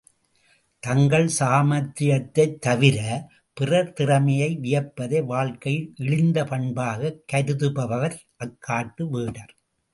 தங்கள் சாமர்த்தியத்தைத் தவிரப் பிறர் திறமையை வியப்பதை வாழ்க்கையில் இழிந்த பண்பாகக் கருதுபவர் அக் காட்டு வேடர்.